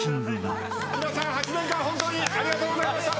「皆さん８年間本当にありがとうございました」